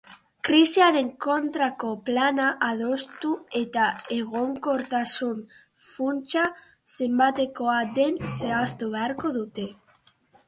Krisiaren kontrako plana adostu eta egonkortasun funtsa zenbatekoa den zehaztu beharko dute.